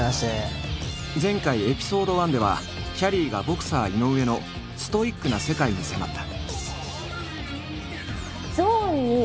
前回エピソード１ではきゃりーがボクサー井上のストイックな世界に迫った。